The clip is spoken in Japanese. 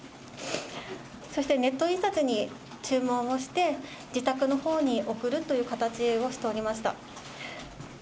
そしてネット印刷に注文をして、自宅のほうに送るという形をしておりました。